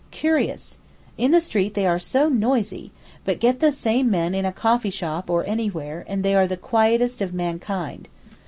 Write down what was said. Curious! In the street they are so noisy, but get the same men in a coffee shop or anywhere, and they are the quietest of mankind.